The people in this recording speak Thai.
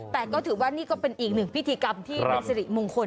แต่ก็ถือว่านี่ก็เป็นอีกหนึ่งพิธีกรรมที่เป็นสิริมงคล